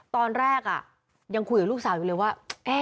ตอนแรกยังคุยกับลูกสาวอยู่เลยว่า